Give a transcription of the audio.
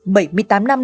bảy mươi tám năm đại dịch